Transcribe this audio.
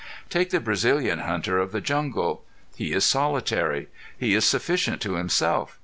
Take the Brazilian hunter of the jungle. He is solitary. He is sufficient to himself.